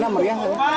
di mana meriah